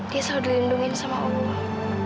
dia selalu dilindungi sama allah